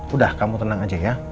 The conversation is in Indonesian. udah kamu tenang aja ya